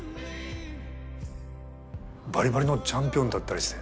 バリバリのチャンピオンだったりして。